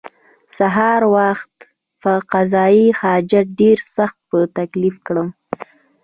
سهار خواته قضای حاجت ډېر سخت په تکلیف کړم.